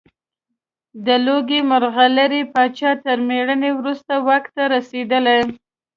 د لوګي مرغلرې پاچا تر مړینې وروسته واک ته رسېدلی.